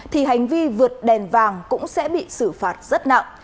thì hành vi vượt đèn vàng cũng sẽ bị xử phạt rất nặng